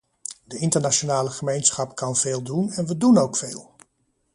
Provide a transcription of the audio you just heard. De internationale gemeenschap kan veel doen, en we doen ook veel.